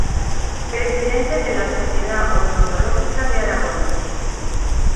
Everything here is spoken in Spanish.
Presidente de la Sociedad Odontológica de Aragón.